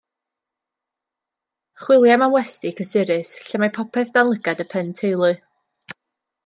Chwiliem am westy cysurus, lle mae popeth dan lygad y pen-teulu.